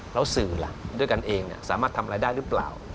แล้วสื่อล่ะด้วยกันเองสามารถทำอะไรได้หรือเปล่า